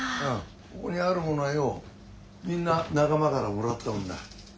ここにあるものはようみんな仲間からもらったもんだ。